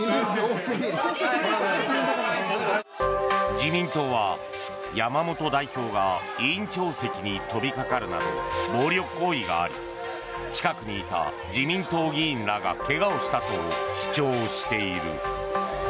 自民党は、山本代表が委員長席に飛びかかるなど暴力行為があり近くにいた自民党議員らが怪我をしたと主張している。